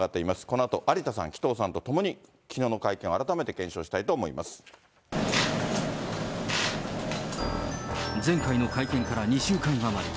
このあと有田さん、紀藤さんと共に、きのうの会見を改めて検証し前回の会見から２週間余り。